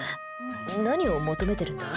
何を求めてるんだ。